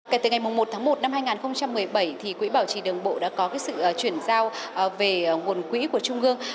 kể từ ngày một tháng một năm hai nghìn một mươi bảy quỹ bảo trì đường bộ đã có sự chuyển giao về nguồn quỹ của trung ương